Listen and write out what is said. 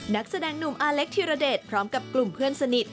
นักแสดงหนุ่มอาเล็กธิรเดชพร้อมกับกลุ่มเพื่อนสนิท